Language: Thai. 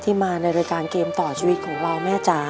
มาในรายการเกมต่อชีวิตของเราแม่จ๋า